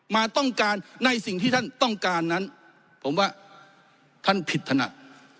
มาต้องการในสิ่งที่ท่านต้องการนั้นผมว่าท่านผิดถนัด